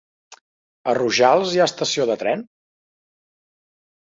A Rojals hi ha estació de tren?